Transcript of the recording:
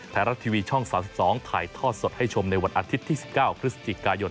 ไทยรัฐทีวีช่อง๓๒ถ่ายทอดสดให้ชมในวันอาทิตย์ที่๑๙พฤศจิกายน